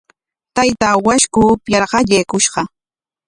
Taytaa washku upyar qallaykushqa.